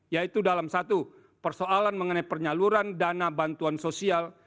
yaitu dalam satu persoalan mengenai penyaluran dana bantuan sosial